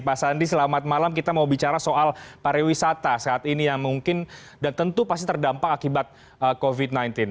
pak sandi selamat malam kita mau bicara soal pariwisata saat ini yang mungkin dan tentu pasti terdampak akibat covid sembilan belas